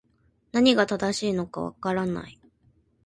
何が正しいのか分からない